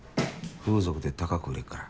風俗で高く売れっから。